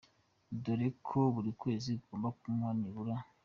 Dore ko buri kwezi ngomba kumuha nibura.